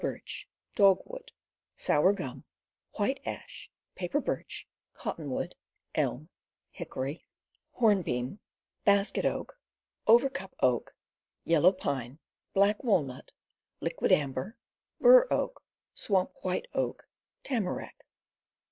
Tough Woods White Ash, Paper Birch, Cottonwood, Elm, Hickory, AXEMANSHIP 263 Hornbeam, Basket Oak, Overcup Oak, Yellow Pine, Black Walnut, Liquidambar, Bur Oak, Swamp White Oak, Tamarack.